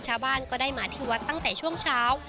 ชาวบ้านก็ได้มาที่วัดตั้งแต่ช่วงเช้า